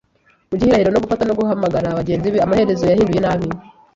mu gihirahiro, no gufata no guhamagara bagenzi be. Amaherezo, yahinduye nabi